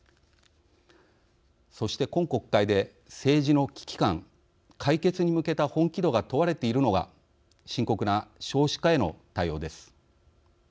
そして、今国会で政治の危機感解決に向けた本気度が問われているのが深刻な少子化への対応です。